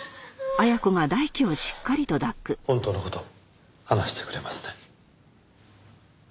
本当の事話してくれますね？